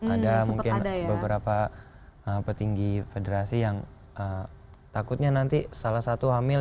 ada mungkin beberapa petinggi federasi yang takutnya nanti salah satu hamil